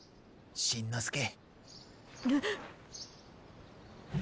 しんのすけ。